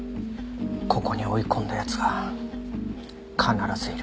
ここに追い込んだ奴が必ずいる。